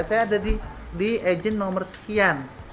saya ada di agent nomor sekian